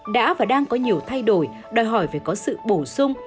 đã và đang có nhiều thay đổi đòi hỏi phải có sự bổ sung